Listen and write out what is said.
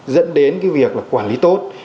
dẫn đến cái việc là quản lý tốt